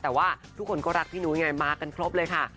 แต่ว่าทุกคนก็รักพี่นุ้ยไงมากันครบเลยค่ะ